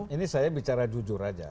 ini saya bicara jujur aja